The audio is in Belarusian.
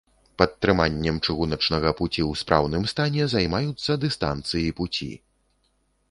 Падтрыманнем чыгуначнага пуці ў спраўным стане займаюцца дыстанцыі пуці.